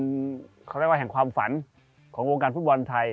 เขาเรียกว่าแห่งความฝันของวงการฟุตบอลไทย